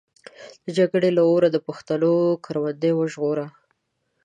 د جګړې له اوره د پښتنو کروندې وژغوره.